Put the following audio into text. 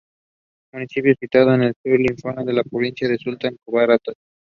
He has won awards for his political podcast and digital journalism.